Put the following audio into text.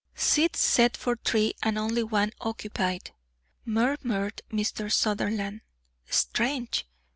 "Seats set for three and only one occupied," murmured Mr. Sutherland. "Strange!